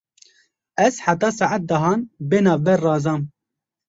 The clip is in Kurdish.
Ez heta saet dehan bênavber razam.